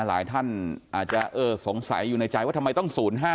หลายท่านอาจจะสงสัยอยู่ในใจว่าทำไมต้อง๐๕